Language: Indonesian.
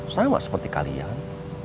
sama seperti kalian